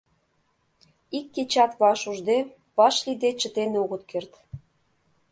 Ик кечат ваш ужде, ваш лийде чытен огыт керт.